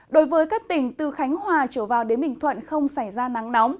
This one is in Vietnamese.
đối với các tỉnh từ khánh hòa trở vào đến bình thuận không xảy ra nắng nóng